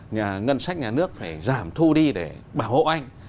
nhà ngân sách nhà nước phải giảm thu đi để bảo hộ anh